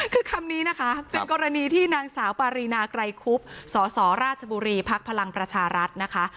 คือคำนี้นะคะเป็นกรณีที่นางสาวปารีนาไกรคุบสสราชบุรีภักดิ์พลังประชารัฐนะคะ